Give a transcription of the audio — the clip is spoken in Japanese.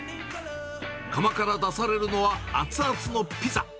窯から出されるのは、熱々のピザ。